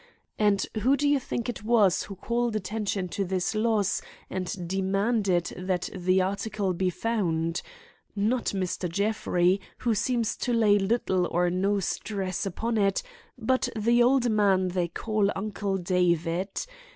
And who do you think it was who called attention to this loss and demanded that the article be found? Not Mr. Jeffrey, who seems to lay little or no stress upon it, but the old man they call Uncle David.